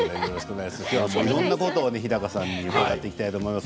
今日はいろんなことに日高さんに伺っていきたいと思います。